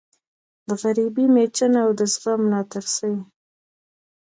د غریبۍ مېچن او د زغم ناترسۍ